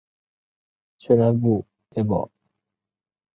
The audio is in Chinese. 中共中央宣传部部长名录是历任宣传部部长列表。